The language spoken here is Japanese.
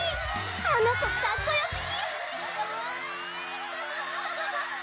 あの子かっこよすぎ！